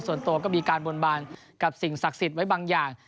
ส่วนตัวก็มีการบนบานกับสิ่งศักดิ์สิทธิ์ไว้บางอย่าง